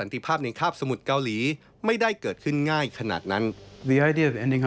ทุกคนจะต่อมาก็คงไม่ได้